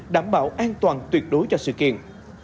đảm bảo an toàn tuyệt đối cho sự kiện